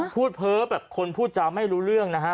เพ้อแบบคนพูดจาไม่รู้เรื่องนะฮะ